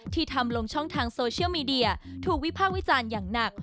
ทำลงช่องทางโซเชียลมีเดียถูกวิภาควิจารณ์อย่างหนัก